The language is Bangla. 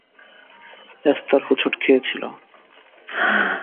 এস্থার হোচট খেয়েছিল।